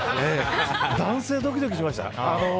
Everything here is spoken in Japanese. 男性はドキドキしました。